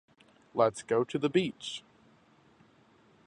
Let's go to the beach.